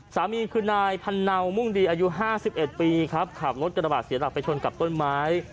สามีคือนายพันเนามุ่งดีอายุ๕๑ปีครับขับรถกระบาดเสียหลักไปชนกับต้นไม้